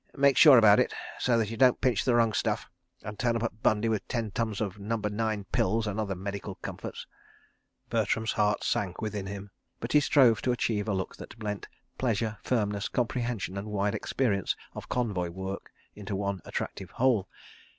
... Make sure about it, so that you don't pinch the wrong stuff, and turn up at Butindi with ten tons of Number Nine pills and other medical comforts. ..." Bertram's heart sank within him, but he strove to achieve a look that blent pleasure, firmness, comprehension, and wide experience of convoy work into one attractive whole.